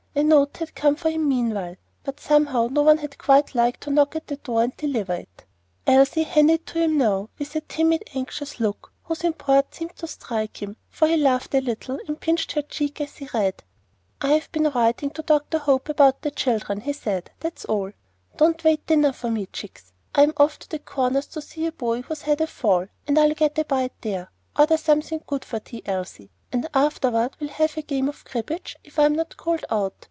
A note had come for him meanwhile, but somehow no one had quite liked to knock at the door and deliver it. Elsie handed it to him now, with a timid, anxious look, whose import seemed to strike him, for he laughed a little, and pinched her cheek as he read. "I've been writing to Dr. Hope about the children," he said; "that's all. Don't wait dinner for me, chicks. I'm off for the Corners to see a boy who's had a fall, and I'll get a bite there. Order something good for tea, Elsie; and afterward we'll have a game of cribbage if I'm not called out.